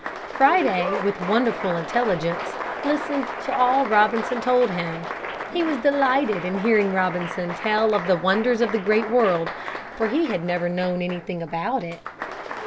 Friday, with wonderful intelligence, listened to all Robinson told him. He was delighted in hearing Robinson tell of the wonders of the great world, for he had never known anything about it.